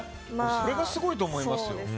それがすごいと思いますよ。